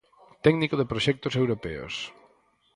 Técnico de proxectos europeos.